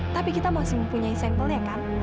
tapi kita masih mempunyai sampelnya kan